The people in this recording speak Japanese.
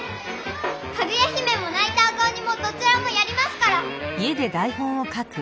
「かぐや姫」も「ないた赤おに」もどちらもやりますから！